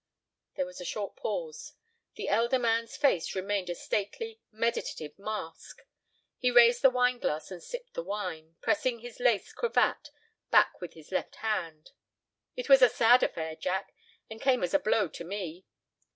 There was a short pause. The elder man's face remained a stately, meditative mask. He raised the wineglass and sipped the wine, pressing his lace cravat back with his left hand. "It was a sad affair, Jack, and came as a blow to me."